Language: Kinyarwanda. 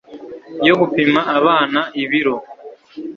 yo gupima abana ibiro